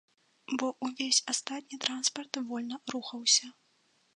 Бо ўвесь астатні транспарт вольна рухаўся.